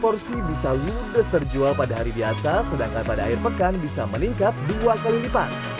porsi bisa ludes terjual pada hari biasa sedangkan pada akhir pekan bisa meningkat dua kali lipat